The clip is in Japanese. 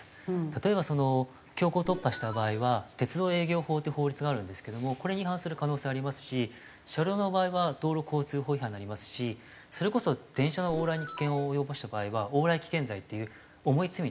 例えばその強行突破した場合は鉄道営業法っていう法律があるんですけどもこれに違反する可能性ありますし車両の場合は道路交通法違反になりますしそれこそ電車の往来に危険を及ぼした場合は往来危険罪っていう重い罪に問われるんですよ。